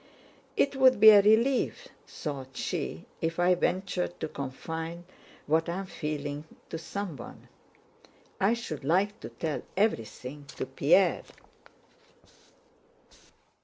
"It would be a relief," thought she, "if I ventured to confide what I am feeling to someone. I should like to tell everything to Pierre.